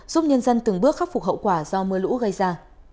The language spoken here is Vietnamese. giúp nhân dân từng bước khắc phục hậu quả do mưa lũ gây ra